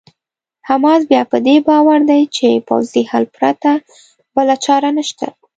حماس بیا په دې باور دی چې پوځي حل پرته بله چاره نشته.